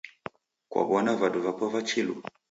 Kwaw'ona vadu vapo va chilu?